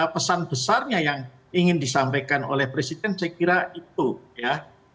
pesan besarnya yang ingin disampaikan oleh presiden saya kira itu ya